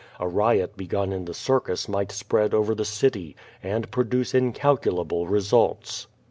A riot begun in the circus might spread over the city, and pro duce incalculable results.